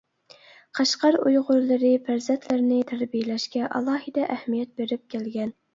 قەشقەر ئۇيغۇرلىرى پەرزەنتلىرىنى تەربىيەلەشكە ئالاھىدە ئەھمىيەت بېرىپ كەلگەن.